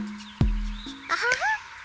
アハハ。